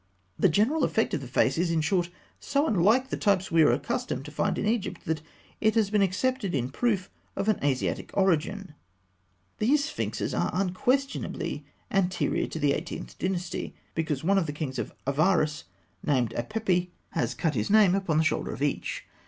The general effect of the face is, in short, so unlike the types we are accustomed to find in Egypt, that it has been accepted in proof of an Asiatic origin (fig. 196). These sphinxes are unquestionably anterior to the Eighteenth Dynasty, because one of the kings of Avaris, named Apepi, has cut his name upon the shoulder of each.